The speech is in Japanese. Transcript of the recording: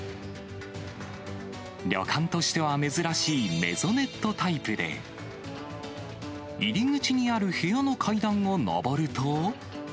旅館としては珍しいメゾネットタイプで、入り口にある部屋の階段を上ると。